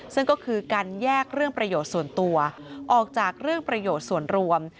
ซึ่งก็คือการแยกเรื่องประโยชน์ส่วนตัวออกจากเรื่องประโยชน์ส่วนรวม